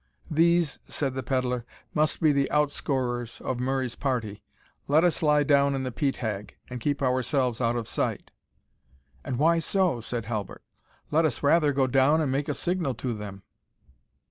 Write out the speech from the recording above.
"These," said the pedlar, "must be the out scourers of Murray's party; let us lie down in the peat hag, and keep ourselves out of sight." "And why so?" said Halbert; "let us rather go down and make a signal to them."